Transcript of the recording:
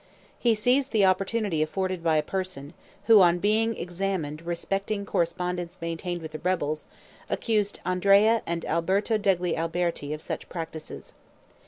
He seized the opportunity afforded by a person, who on being examined respecting correspondence maintained with the rebels, accused Andrea and Alberto degli Alberti of such practices.